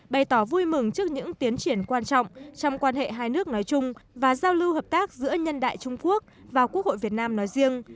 bày tỏ vui mừng trước những tiến triển quan trọng trong quan hệ hai nước nói chung và giao lưu hợp tác giữa nhân đại trung quốc và quốc hội việt nam nói riêng